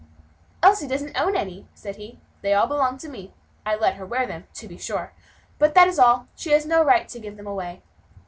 "Elsie doesn't own any," said he; "they all belong to me. I let her wear them, to be sure, but that is all; she has no right to give them away."